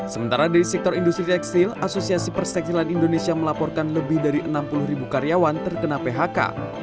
sementara dari sektor industri tekstil asosiasi perseksilan indonesia melaporkan lebih dari enam puluh ribu karyawan terkena phk